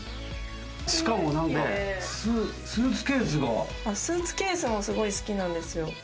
しかもなんかスーツケースがスーツケースもすごい好きなんですよ。